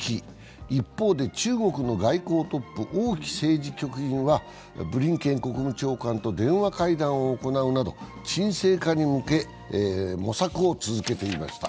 一方で、中国の外交トップ、王毅政治局員はブリンケン国務長官と電話会談を行うなど、沈静化に向け、模索を続けていました。